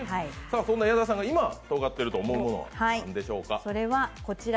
矢田さんが今、とがってると思うもの何でしょうか。